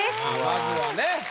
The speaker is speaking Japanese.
まずはね。